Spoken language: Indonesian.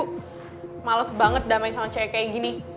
kamu bisa berdamai sama cewek kayak gini